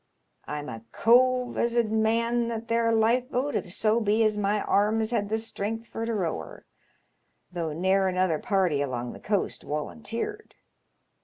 I'm a cove as 'ud man that there lifeboat if so be as my arms had the strength for to row her, though ne'er another party along the coast woulunteered.